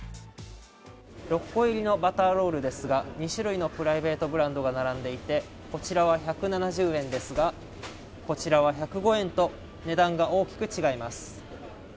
６個入りのバターロールですが２種類のプライベートブランドが並んでいてこちらは１７０円ですがこちらは１０５円と値段が大きく違います。